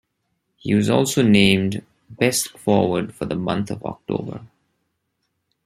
He was also named best forward for the month of October.